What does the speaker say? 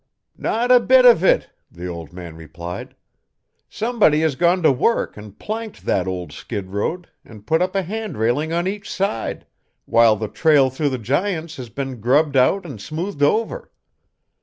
"Not a bit of it," the old man replied. "Somebody has gone to work and planked that old skid road and put up a hand railing on each side, while the trail through the Giants has been grubbed out and smoothed over.